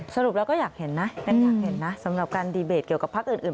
สรุปแล้วก็อยากเห็นนะสำหรับการดีเบตเกี่ยวกับภาคอื่น